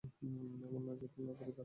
এমন না যে তারা আমার পরিবার।